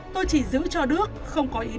tôi chỉ giữ cho đức không có ý định lừa đánh